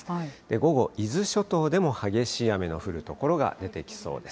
午後、伊豆諸島でも激しい雨の降る所が出てきそうです。